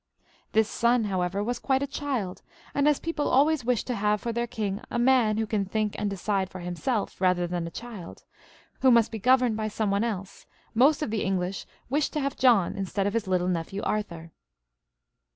This son, however, was quite a child, and as people always wish to have for their king a man who can think and decide for himseK sooner than a child, who must be governed by some one else, most of the English wished to have John sooner than his little nephew Arthur.